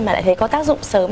mà lại thấy có tác dụng sớm